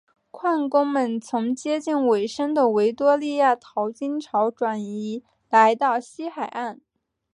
矿工们从接近尾声的维多利亚淘金潮转移来到西海岸。